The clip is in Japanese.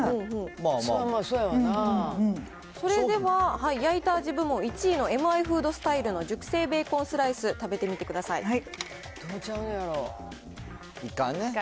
それでは、焼いた味部門１位のエムアイフードスタイルの熟成ベーコンスライス、食べてみてください。